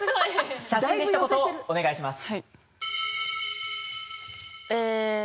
写真で一言お願いします。